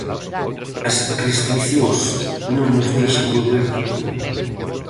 As restricións non nos deixan volver de todo.